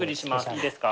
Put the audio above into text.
いいですか？